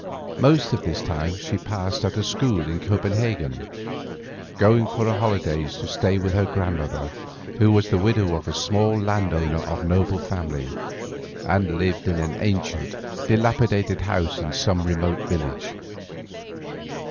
Most of this time she passed at a school in Copenhagen, going for her holidays to stay with her grandmother, who was the widow of a small landowner of noble family, and lived in an ancient, dilapidated house in some remote village.